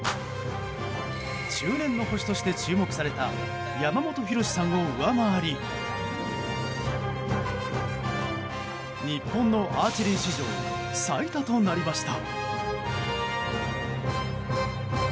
中年の星として注目された山本博さんを上回り日本のアーチェリー史上最多となりました。